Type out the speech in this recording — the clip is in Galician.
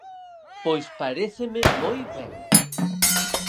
Pois paréceme moi ben.